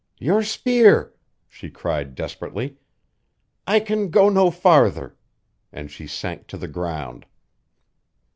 "Your spear!" she cried desperately. "I can go no farther," and she sank to the ground.